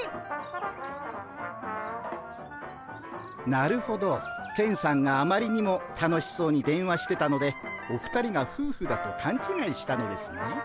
なるほどケンさんがあまりにも楽しそうに電話してたのでお二人がふうふだとかんちがいしたのですね。